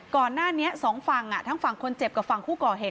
ก่อนหน้านี้สองฝั่งทั้งฝั่งคนเจ็บกับฝั่งผู้ก่อเหตุ